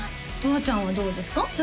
とわちゃんはどうですか？